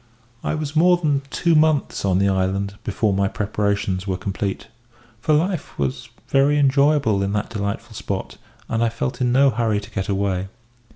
"I was more than two months on the island before my preparations were complete, for life was very enjoyable in that delightful spot, and I felt in no hurry to get away.